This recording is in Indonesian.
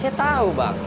ya saya tau bang